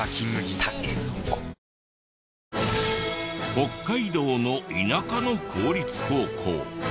北海道の田舎の公立高校。